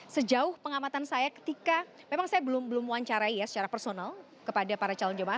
sejauh pengamatan saya ketika memang saya belum wawancarai ya secara personal kepada para calon jemaah